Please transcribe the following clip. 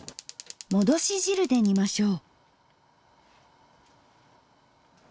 もどし汁で煮ましょう。